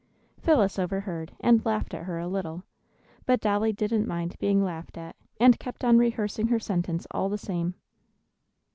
Phyllis overheard, and laughed at her a little; but Dolly didn't mind being laughed at, and kept on rehearsing her sentence all the same.